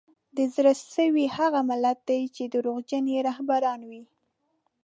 د زړه سوي هغه ملت دی چي دروغجن یې رهبران وي